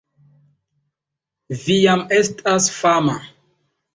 Vi jam estas fama